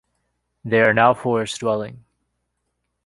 They are now forest-dwelling.